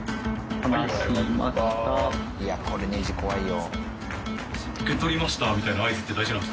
いやこれネジ怖いよ。